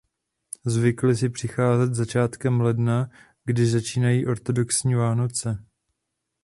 Zvykli si přicházet začátkem ledna, když začínají ortodoxní Vánoce.